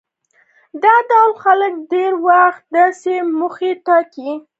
دا ډول خلک ډېری وخت داسې موخې ټاکي.